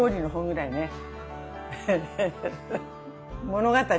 物語？